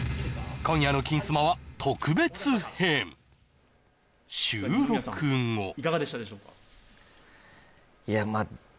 今夜の「金スマ」は特別編いやま